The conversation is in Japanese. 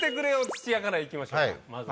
土屋」から行きましょうか。